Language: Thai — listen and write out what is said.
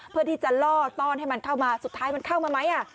เพื่อที่จะล่อต้อนให้มันเข้ามาสุดท้ายมันเข้ามาไหม